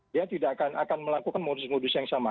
dia tidak akan melakukan modus modus yang sama